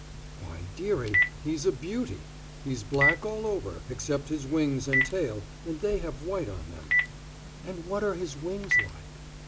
"Why, dearie, he's a beauty; he's black all over, except his wings and tail, and they have white on them." "And what are his wings like?"